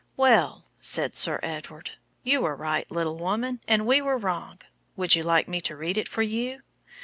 "Well," said Sir Edward, "you were right, little woman, and we were wrong. Would you like me to read it for you?"